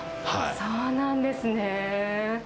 そうなんですね。